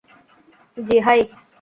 জ্বি, হাই!